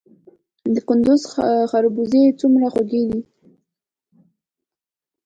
د کندز خربوزې څومره خوږې دي؟